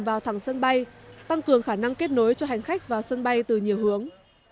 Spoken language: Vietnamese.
vào thẳng sân bay tăng cường khả năng kết nối cho hành khách vào sân bay từ nhiều hướng